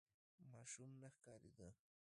ماشوم نه ښکارېده.